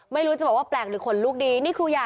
ไม่รู้จะบอกว่าแปลกหรือคนลูกดี